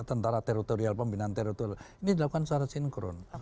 tentara teritorial pembinaan teritorial ini dilakukan secara sinkron